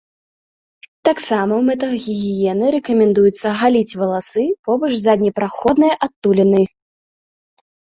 Таксама ў мэтах гігіены рэкамендуецца галіць валасы побач з заднепраходнай адтулінай.